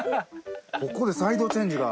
ここでサイドチェンジが。